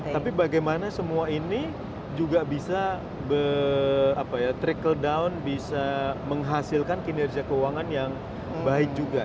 tapi bagaimana semua ini juga bisa trickle down bisa menghasilkan kinerja keuangan yang baik juga